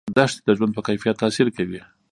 دښتې د ژوند په کیفیت تاثیر کوي.